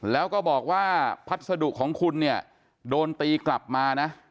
แล้วก็บอกว่าพัสดุของคุณเนี่ยโดนตีกลับมานะ